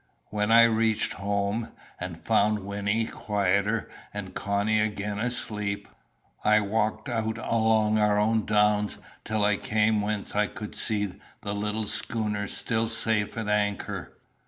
When I reached home, and found Wynnie quieter and Connie again asleep, I walked out along our own downs till I came whence I could see the little schooner still safe at anchor.